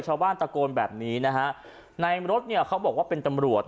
ชาวบ้านตะโกนแบบนี้นะฮะในรถเนี่ยเขาบอกว่าเป็นตำรวจ